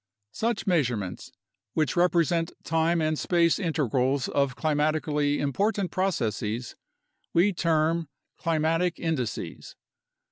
Such measurements, which represent time and space integrals of climatically important procesess, we term "climatic indices."